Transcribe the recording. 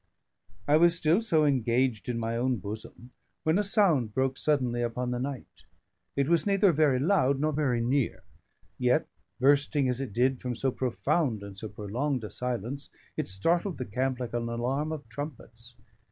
I was still so engaged in my own bosom, when a sound broke suddenly upon the night. It was neither very loud nor very near; yet, bursting as it did from so profound and so prolonged a silence, it startled the camp like an alarm of trumpets.